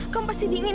kamu pasti dingin ya